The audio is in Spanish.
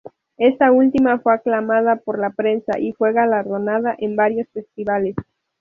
Esta última fue aclamada por la prensa y fue galardonada en varios festivales.